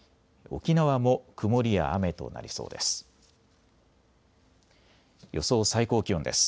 沖縄も曇りや雨となりそうです。